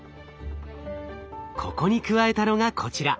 ここに加えたのがこちら。